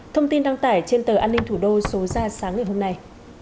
thông tin đăng tải trên tờ an ninh thủ đô số ra sáng ngày hôm nay